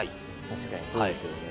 確かにそうですよね。